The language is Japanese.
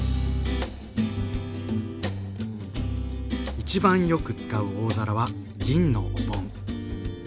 一番よく使う大皿は銀のお盆。